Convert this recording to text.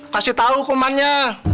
kasih tau hukumannya